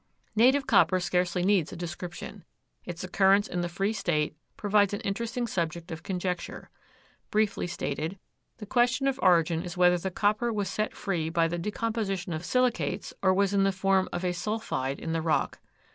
Native copper scarcely needs a description. Its occurrence in the free state provides an interesting subject of conjecture. Briefly stated, the question of origin is whether the copper was set free by the decomposition of silicates or was in the form of a sulphide in the rock.